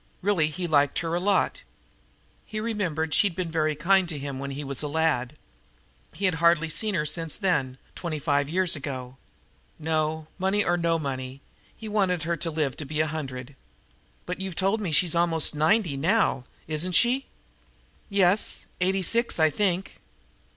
Really he liked her a lot. He remembered she'd been very kind to him when he was a lad. Had hardly seen her since then twenty five years ago. No, money or no money, he wanted her to live to be a hundred. "But you've told me she's almost ninety now! Isn't she?" "Yes, eighty six, I think."